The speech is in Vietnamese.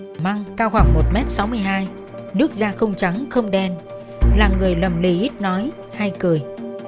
nam vinh là một người đàn ông măng cao khoảng một m sáu mươi hai nước da không trắng không đen là người lầm lì ít nói hay cười